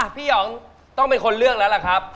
หยองต้องเป็นคนเลือกแล้วล่ะครับ